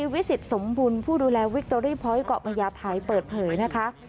๑๐๓วิสิตสมบุญผู้ดูแลวิกโตรี่พลอยเกาะมายาถ่ายเปิดเผยนะคะ